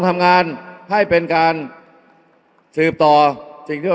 อย่าให้ลุงตู่สู้คนเดียว